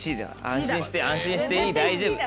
安心して安心していい大丈夫。